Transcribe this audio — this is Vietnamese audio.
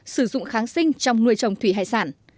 sử dụng kháng sinh trong nuôi trồng thủy hải sản